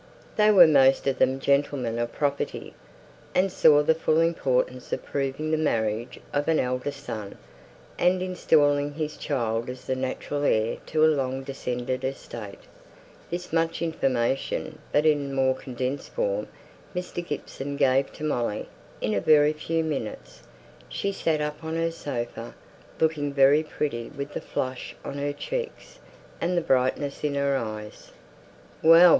They were most of them gentlemen of property, and saw the full importance of proving the marriage of an eldest son, and installing his child as the natural heir to a long descended estate. This much information, but in a more condensed form, Mr. Gibson gave to Molly, in a very few minutes. She sat up on her sofa, looking very pretty with the flush on her cheeks, and the brightness in her eyes.